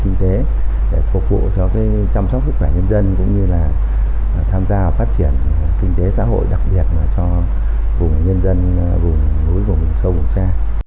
quảng ninh cũng đang tập trung để phục vụ cho chăm sóc sức khỏe nhân dân cũng như là tham gia phát triển kinh tế xã hội đặc biệt cho vùng nhân dân vùng núi vùng sâu vùng xa